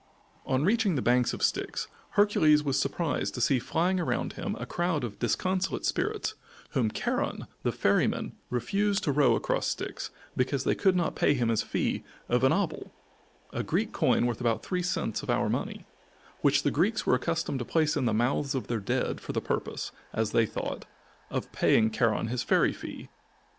On reaching the banks of Styx, Hercules was surprised to see flying around him a crowd of disconsolate spirits, whom Charon the Ferryman refused to row across Styx, because they could not pay him his fee of an obol, a Greek coin worth about three cents of our money, which the Greeks were accustomed to place in the mouths of their dead for the purpose, as they thought, of paying Charon his ferry fee.